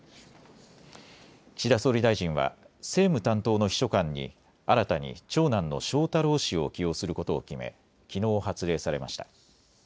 岸田総理大臣は政務担当の秘書官に新たに長男の翔太郎氏を起用することを決めきのう発令されました。